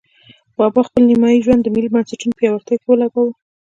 بابا خپل نیمایي ژوند د ملي بنسټونو پیاوړتیا کې ولګاوه.